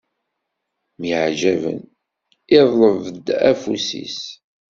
Myaɛjaben, iḍleb-d afus-is.